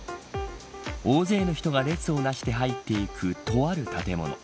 大勢の人が列をなして入っていくとある建物。